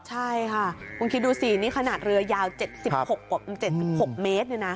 ใช่ค่ะคุณคิดดูสินี่ขนาดเรือยาว๗๖เมตรเนี่ยนะ